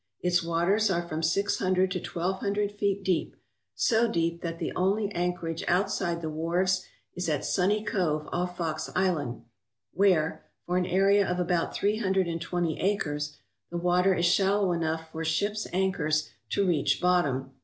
Its waters are from six hundred to twelve hundred feet deep, so deep that the only anchorage outside the wharves is at Sunny Cove off Fox Island, where, for an area of about three hundred and twenty acres, the water is shallow enough for ships' anchors to reach bottom.